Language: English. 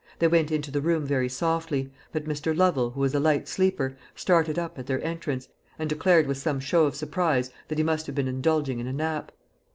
They went into the room very softly; but Mr. Lovel, who was a light sleeper, started up at their entrance, and declared with some show of surprise that he must have been indulging in a nap.